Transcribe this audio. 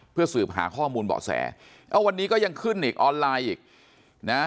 เพื่อสืบหาข้อมูลเบาะแสเอ้าวันนี้ก็ยังขึ้นอีกออนไลน์อีกนะ